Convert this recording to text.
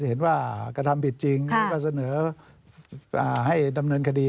เห็นว่ากระทำผิดจริงแล้วก็เสนอให้ดำเนินคดี